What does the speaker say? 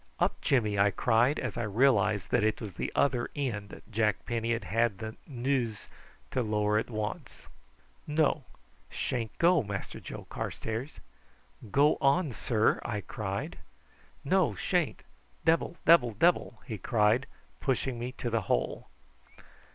"Up, Jimmy!" I cried, as I realised that it was the other end Jack Penny had had the nous to lower at once. "No: sha'n't go, Mass Joe Carstairs." "Go on, sir," I cried. "No sha'n't! Debble debble debble!" he cried, pushing me to the hole.